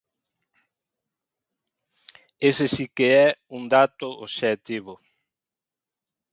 Ese si que é un dato obxectivo.